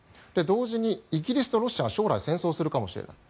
同時に、イギリスとロシアは将来、戦争するかもしれない。